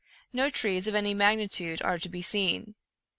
No trees of any magnitude are to be seen.